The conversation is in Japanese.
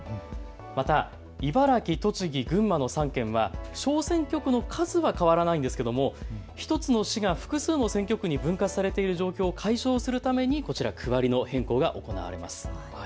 また茨城、栃木、群馬の３県は小選挙区の数は変わらないんですけども１つの市が複数の選挙区に分割されている状況を改正するために区割りの変更が行われます。